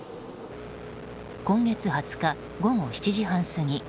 今月２０日午後７時半過ぎ